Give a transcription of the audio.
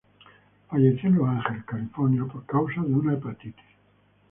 Falleció en Los Ángeles, California, por causa de una hepatitis.